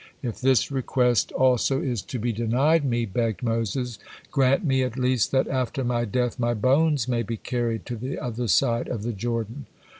"If this request also is to be denied me," begged Moses, "grant me at least that after my death my bones may be carried to the other side of the Jordan."